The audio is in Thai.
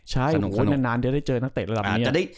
ใช่นานจะได้เจอนักเตะระดับนี้